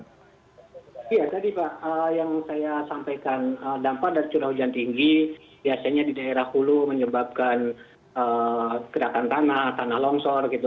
iya tadi pak yang saya sampaikan dampak dari curah hujan tinggi biasanya di daerah hulu menyebabkan gerakan tanah tanah longsor gitu